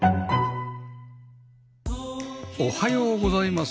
おはようございます。